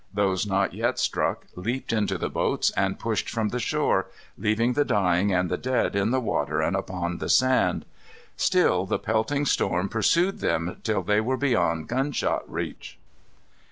Those not yet struck leaped into the boats and pushed from the shore, leaving the dying and the dead in the water and upon the sand. Still the pelting storm pursued them till they were beyond gun shot reach.